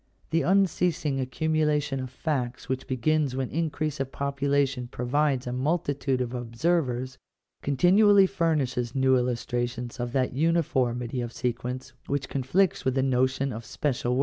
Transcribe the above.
The unceasing accumulation of facts which begins when increase of population provides a multitude of observers, continually furnishes new illustrations of that uni formity of sequence which conflicts with the notion of special Digitized by VjOOQIC 802 THE REGULATION OF COMMERCE.